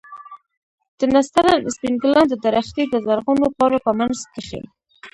د نسترن سپين ګلان د درختې د زرغونو پاڼو په منځ کښې.